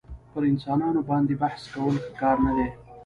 پر انسانانو باندي بحث کول ښه کار نه دئ.